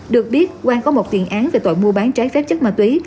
được biết quang có một tiền án về tội mua bán trái phép chất ma túy